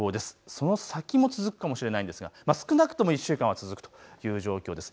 その先も続くかもしれないんですが少なくとも１週間は続くという状況です。